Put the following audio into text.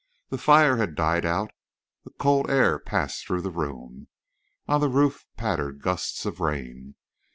The fire had died out. A cold air passed through the room. On the roof pattered gusts of rain.